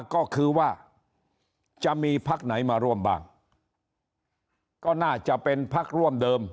ก็คือว่าจะมีพักไหนมาร่วมบ้างก็น่าจะเป็นพักร่วมเดิม